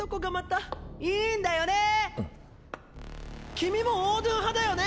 君もオードゥン派だよね？